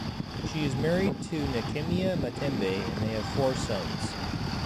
She is married to Nekemia Matembe and they have four sons.